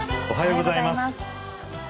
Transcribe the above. おはようございます。